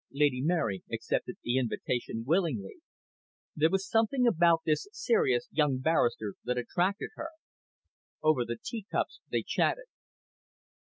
Lady Mary accepted the invitation willingly. There was something about this serious young barrister that attracted her. Over the teacups they chatted.